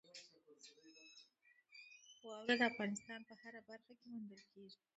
واوره د افغانستان په هره برخه کې موندل کېږي.